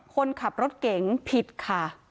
คนขับรถเก๋งผิดค่ะ